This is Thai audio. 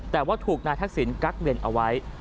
แต่ว่าถูกนายทักษิณกักเวรเอาไว้